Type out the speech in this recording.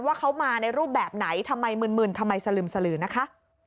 ว่าเขามาในรูปแบบไหนทำไมมื่นทำไมสลึมสลือนะคะ